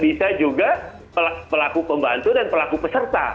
bisa juga pelaku pembantu dan pelaku peserta